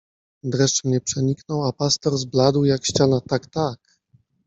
Dreszcz mnie przeniknął, a pastor zbladł jak ściana, tak, tak!